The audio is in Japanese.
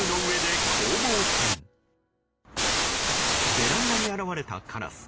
ベランダに現れたカラス。